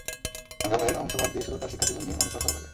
সংগ্রামের অংশ বাদ দিয়ে শুধু তাঁর শিক্ষাজীবন নিয়েও অনেক কথা বলা যায়।